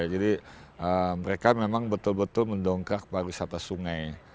jadi mereka memang betul betul mendongkak pariwisata sungai